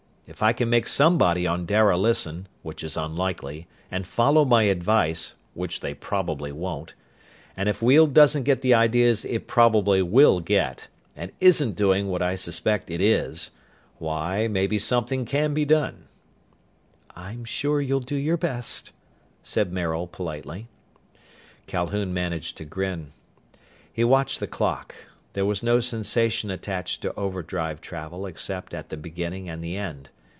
If I can make somebody on Dara listen, which is unlikely, and follow my advice, which they probably won't; and if Weald doesn't get the ideas it probably will get; and isn't doing what I suspect it is why, maybe something can be done." "I'm sure you'll do your best," said Maril politely. Calhoun managed to grin. He watched the clock. There was no sensation attached to overdrive travel except at the beginning and the end.